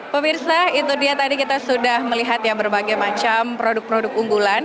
pemirsa itu dia tadi kita sudah melihat ya berbagai macam produk produk unggulan